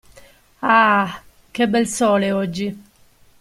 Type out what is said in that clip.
Ah, che bel Sole oggi.